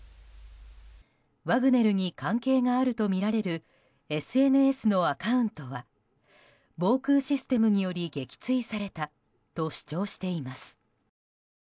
ワグネルに関係があるとみられるＳＮＳのアカウントは防空システムにより撃墜されたと主張しています。